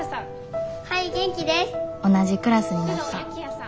同じクラスになった。